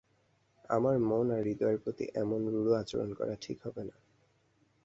আমাদের মন আর হৃদয়ের প্রতি এমন রূঢ় আচরণ করা ঠিক হবেনা।